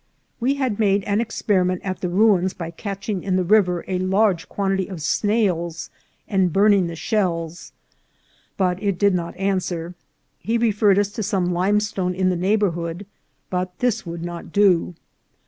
We had made an experiment at the ruins by catching in the river a large quantity of snails and burning the shells, but it did not answer. He re ferred us to some limestone in the neighbourhood, but this would not do.